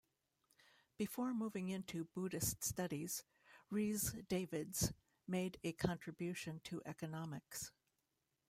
Before moving into Buddhist Studies, Rhys Davids made a contribution to Economics.